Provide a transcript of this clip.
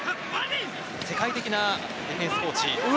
世界的なディフェンスコーチ。